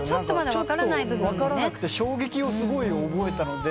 ちょっと分からなくて衝撃をすごい覚えたので。